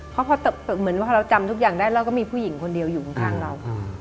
เพราะพอเหมือนว่าเราจำทุกอย่างได้เราก็มีผู้หญิงคนเดียวอยู่ข้างเรา